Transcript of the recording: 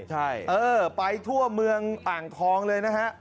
ใช่เออไปทั่วเมืองอ่างทองเลยนะฮะ